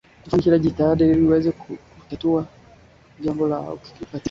kanda unga na tia mafuta